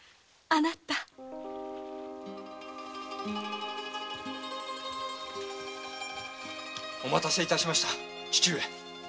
あなたお待たせいたしました。